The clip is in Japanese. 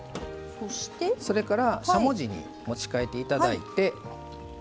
それからしゃもじに持ち替えていただいて